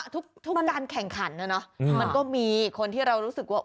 ทุกการแข่งขันนะเนาะมันก็มีคนที่เรารู้สึกว่า